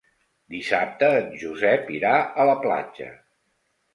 Dissabte en Josep irà a la platja.